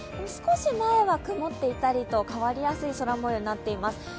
少し前は曇っていたりと変わりやすい空もようになっています。